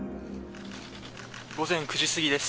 午前９時過ぎです。